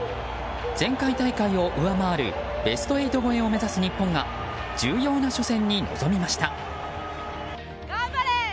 前回大会を上回るベスト８超えを目指す日本が重要な初戦に臨みました。